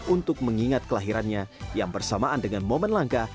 untuk mengingat kelahirannya yang bersamaan dengan momen langka